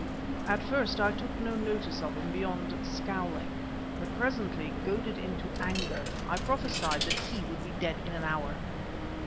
At first I took no notice of him beyond scowling, but presently, goaded into anger, I prophesied that he would be dead in an hour!